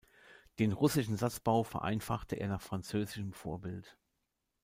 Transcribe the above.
Den russischen Satzbau vereinfachte er nach französischem Vorbild.